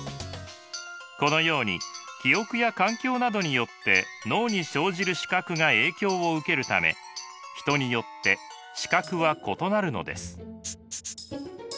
このように記憶や環境などによって脳に生じる視覚が影響を受けるため人によって視覚は異なるのです。